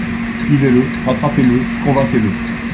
Suivez-le, rattrapez-le, convainquez-le.